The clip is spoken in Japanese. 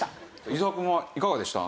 伊沢くんはいかがでした？